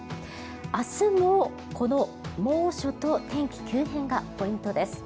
明日もこの猛暑と天気急変がポイントです。